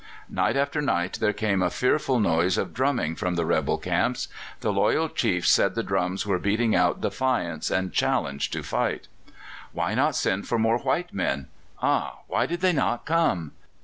Night after night there came a fearful noise of drumming from the rebel camps. The loyal chiefs said the drums were beating out defiance and challenge to fight. "Why not send for more white men?" Ah! why did they not come?